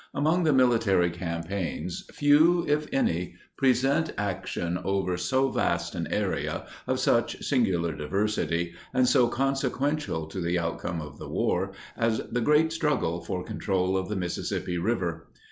Among the military campaigns, few, if any, present action over so vast an area, of such singular diversity, and so consequential to the outcome of the war, as the great struggle for control of the Mississippi River.